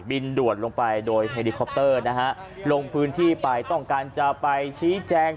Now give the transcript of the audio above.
ด่วนลงไปโดยเฮลิคอปเตอร์นะฮะลงพื้นที่ไปต้องการจะไปชี้แจง